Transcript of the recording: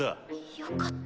よかった。